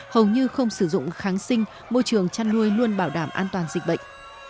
hầu như không sử dụng kháng sinh môi trường chăn nuôi luôn bảo đảm an toàn dịch bệnh